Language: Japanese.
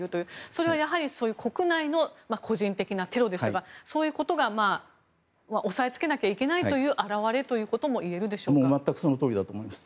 それはやはり国内の個人的なテロですとかそういうことも抑えつけなきゃいけないという表れということも全くそのとおりだと思います。